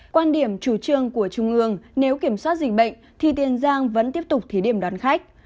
quan điểm chủ trương của trung ương nếu kiểm soát dịch bệnh thì tiền giang vẫn tiếp tục thí điểm đón khách